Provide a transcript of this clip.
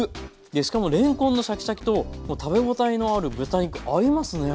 でしかもれんこんのシャキシャキと食べ応えのある豚肉合いますね。